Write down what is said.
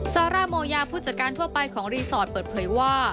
ซาร่าโมยาผู้จัดการทั่วไปของรีสอร์ทเปิดเผยว่า